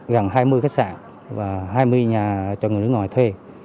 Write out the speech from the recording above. gần hai mươi khách sạn và hai mươi nhà cho người nước ngoài thuê